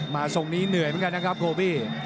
ทรงนี้เหนื่อยเหมือนกันนะครับโคบี้